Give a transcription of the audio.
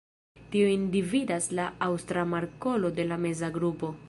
Tiujn dividas la Aŭstra markolo de la meza grupo.